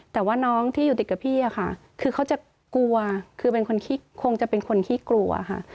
แต่ว่าน้องที่อยู่ด้วยกับพี่คือเขาจะกลัวคงจะเป็นคนที่กลัวค่ะ